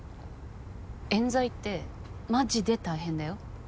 えん罪ってマジで大変だよ？